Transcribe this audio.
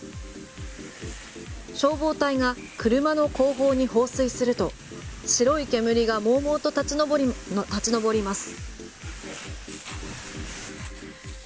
消防隊が車の後方に放水すると白い煙がもうもうと立ち上ります。